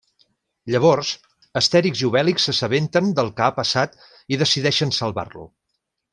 Llavors, Astèrix i Obèlix s'assabenten del que ha passat i decideixen salvar-lo.